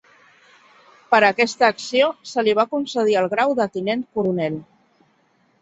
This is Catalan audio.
Per aquesta acció se li va concedir el grau de tinent coronel.